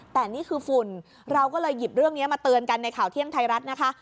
แต่นี่คือฝุ่นเราก็เลยหยิบเรื่องนี้มาเตือนกันในข่าวเที่ยงไทยรัฐนะคะ